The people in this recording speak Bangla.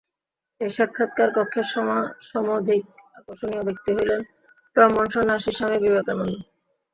এই সাক্ষাৎকার-কক্ষে সমধিক আকর্ষণীয় ব্যক্তি হইলেন ব্রাহ্মণ সন্ন্যাসী স্বামী বিবেকানন্দ।